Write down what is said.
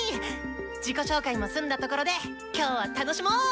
自己紹介も済んだところで今日は楽しもう！